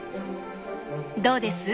どうです？